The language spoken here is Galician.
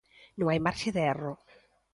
Non hai marxe de erro.